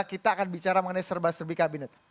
kita akan bicara mengenai serba serbi kabinet